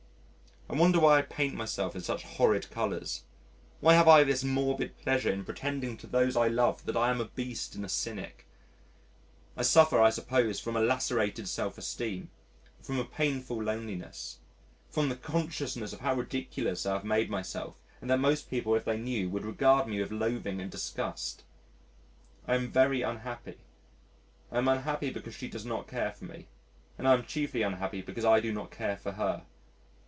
I wonder why I paint myself in such horrid colours why have I this morbid pleasure in pretending to those I love that I am a beast and a cynic? I suffer, I suppose, from a lacerated self esteem, from a painful loneliness, from the consciousness of how ridiculous I have made myself, and that most people if they knew would regard me with loathing and disgust. I am very unhappy. I am unhappy because she does not care for me, and I am chiefly unhappy because I do not care for her.